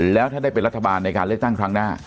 แล้วถ้าได้เป็นรัฐบาลในการเลือกตั้งครั้งหน้า